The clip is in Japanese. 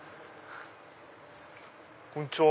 こんにちは。